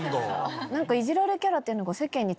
何かいじられキャラっていうのが。